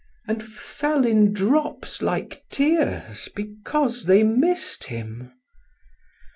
And fell in drops like tears because they miss'd him.